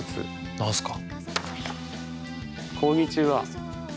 何すか？